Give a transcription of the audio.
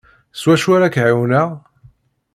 S wacu ara k-ɛiwneɣ?